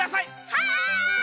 はい！